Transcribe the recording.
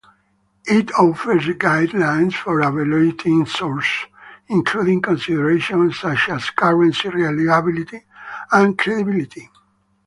It offers guidelines for evaluating sources, including considerations such as currency, reliability, and credibility.